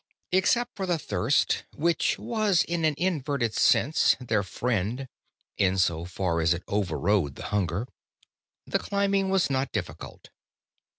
Except for the thirst which was in an inverted sense their friend, insofar as it overrode the hunger the climbing was not difficult.